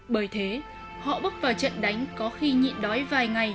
bởi thế họ bước vào trận đánh có khi nhịn đói vài ngày